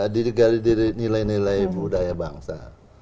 didegali dari nilai nilai budaya bangsa